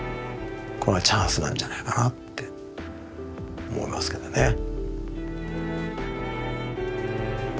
これがチャンスなんじゃないかなって思いますけどね。